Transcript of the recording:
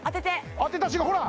当てた瞬間ほら！